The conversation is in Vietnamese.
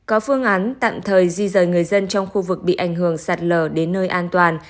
có phương án tạm thời di rời người dân trong khu vực bị ảnh hưởng sạt lở đến nơi an toàn